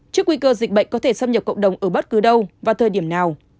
trước nguy cơ dịch bệnh có thể xâm nhập cộng đồng ở bất cứ đâu vào thời điểm nào